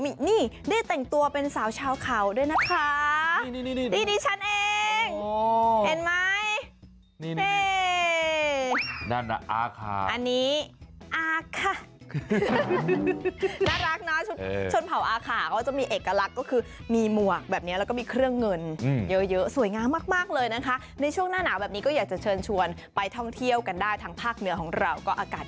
มีนี่ได้แต่งตัวเป็นสาวชาวเข่าด้วยนะคะ